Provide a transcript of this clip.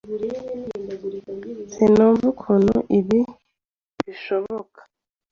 Sinumva ukuntu ibi byashobokaga.